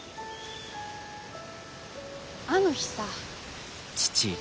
あの日さ。